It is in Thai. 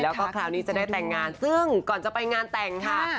แล้วก็คราวนี้จะได้แต่งงานซึ่งก่อนจะไปงานแต่งค่ะ